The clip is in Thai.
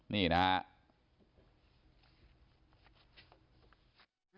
นี่นะครับ